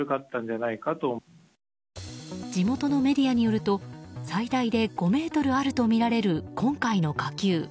地元のメディアによると最大で５ｍあるとみられる今回の火球。